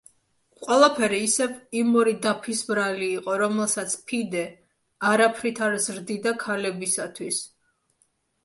ყველაფერი ისევ იმ ორი დაფის ბრალი იყო, რომელსაც ფიდე არაფრით არ ზრდიდა ქალებისათვის.